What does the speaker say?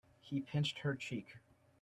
He pinched her cheek.